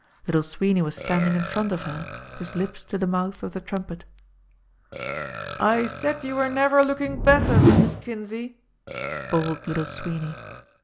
Little Sweeney was standing in front of her, his lips to the mouth of the trumpet. "I said you were never looking better, Mrs. Kinsey!" bawled Little Sweeney.